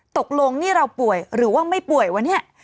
ตกลงนี่เราป่วยหรือว่าไม่ป่วยวะเนี่ย